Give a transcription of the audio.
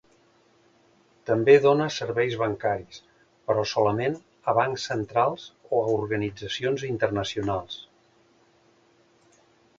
També dóna serveis bancaris, però solament a bancs centrals o a organitzacions internacionals.